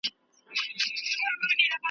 بې نصیبه له ارغنده پردی سوی له هلمنده .